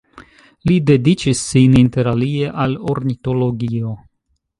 Li dediĉis sin inter alie al ornitologio.